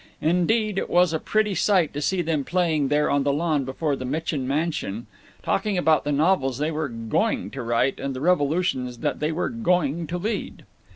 Indeed it was a pretty sight to see them playing there on the lawn before the Mitchin mansion, talking about the novels they were going to write and the revolutions they were going to lead.